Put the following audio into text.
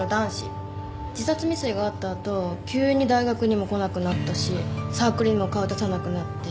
自殺未遂があった後急に大学にも来なくなったしサークルにも顔出さなくなって。